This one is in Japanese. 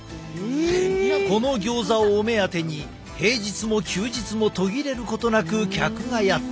このギョーザをお目当てに平日も休日も途切れることなく客がやって来る。